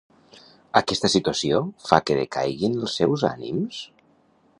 Aquesta situació fa que decaiguin els seus ànims?